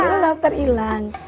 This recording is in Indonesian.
jangan dielak terilang